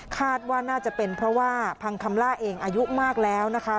คาดว่าน่าจะเป็นเพราะว่าพังคำล่าเองอายุมากแล้วนะคะ